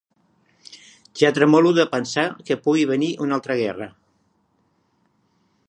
Ja tremolo de pensar que pugui venir una altra guerra.